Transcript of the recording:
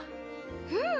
うん。